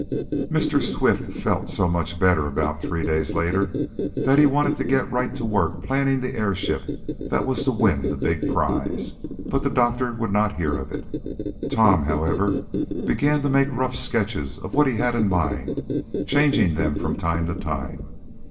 Mr. Swift felt so much better about three days later that he wanted to get right to work planning the airship that was to win the big prize, but the doctor would not hear of it. Tom, however, began to make rough sketches of what he had in mind changing them from time to time.